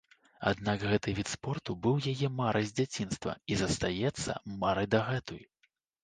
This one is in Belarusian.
Аднак гэты від спорту быў яе марай з дзяцінства і застаецца марай дагэтуль.